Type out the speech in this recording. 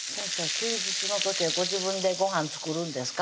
休日の時はご自分でごはん作るんですか？